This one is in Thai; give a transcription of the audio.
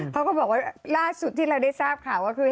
เขาก็บอกว่าล่าสุดที่เราได้ทราบข่าวก็คือ